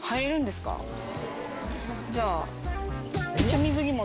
じゃあ。